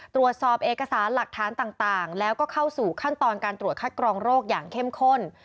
ตรวจสอบเอกสารหลักฐานต่างแล้วก็เข้าสู่ขั้นตอนการตรวจคัดกรองโรคอย่างเข้มข้น